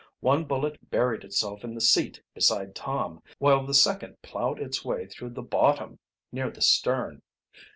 One bullet buried itself in the seat beside Tom, while the second plowed its way through the bottom, near the stern.